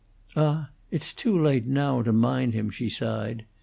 "Ah, it's too late now to mind him," she sighed.